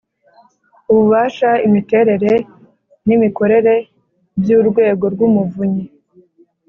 ububasha, imiterere n’imikorere by'urwego rw'umuvunyi,